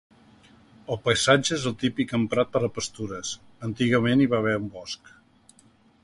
El paisatge és el típic emprat per a pastures, antigament hi va haver un bosc.